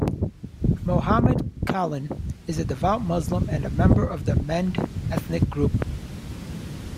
Mohamed Kallon is a devout Muslim and a member of the Mende ethnic group.